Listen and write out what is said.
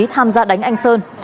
tham gia đánh anh sơn